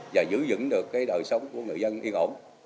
và giữ vững được đời sống của người dân yên ổn